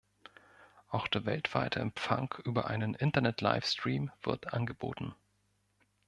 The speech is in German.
Auch der weltweite Empfang über einen Internet-Livestream wird angeboten.